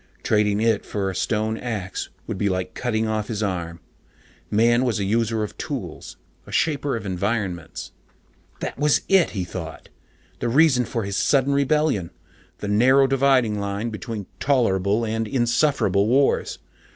Trading it for a stone axe would be like cutting off his arm. Man was a user of tools, a shaper of environments. That was it, he thought. The reason for his sudden rebellion, the narrow dividing line between tolerable and insufferable wars.